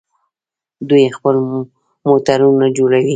دوی خپل موټرونه جوړوي.